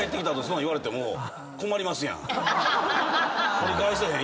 取り返せへん。